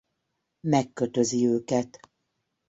Megkötözi őket.